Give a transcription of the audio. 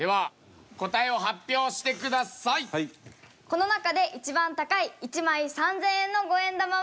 この中で一番高い１枚３０００円の５円玉は。